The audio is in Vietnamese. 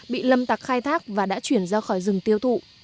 bị lâm tặc khai thác và đã chuyển ra khỏi rừng tiêu thụ